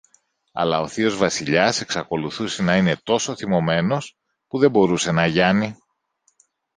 Αλλά ο θείος Βασιλιάς εξακολουθούσε να είναι τόσο θυμωμένος, που δεν μπορούσε να γιάνει.